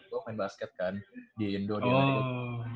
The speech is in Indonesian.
gue main basket kan di indonesia